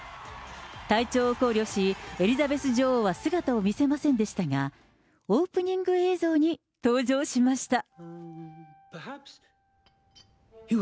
体調を考慮し、エリザベス女王は姿を見せませんでしたが、オープニング映像に登場しました。